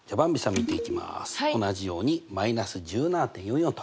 同じように−１７．４４と。